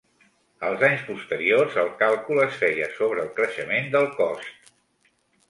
Els anys posteriors, el càlcul es feia sobre el creixement del cost.